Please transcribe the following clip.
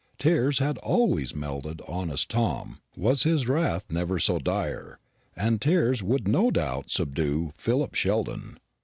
Tears had always melted honest Tom, was his wrath never so dire, and tears would no doubt subdue Philip Sheldon.